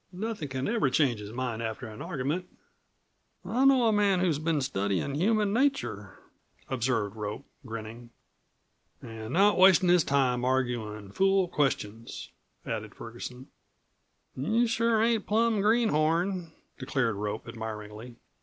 Nothin' c'n ever change his mind after an argument." "I know a man who's been studyin' human nature," observed Rope, grinning. "An' not wastin' his time arguin' fool questions," added Ferguson. "You sure ain't plum greenhorn," declared Rope admiringly.